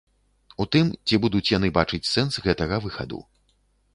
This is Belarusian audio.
У тым, ці будуць яны бачыць сэнс гэтага выхаду.